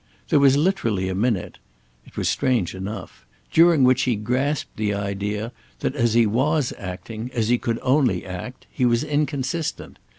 There was literally a minute—it was strange enough—during which he grasped the idea that as he was acting, as he could only act, he was inconsistent.